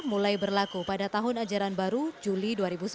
mulai berlaku pada tahun ajaran baru juli dua ribu sembilan belas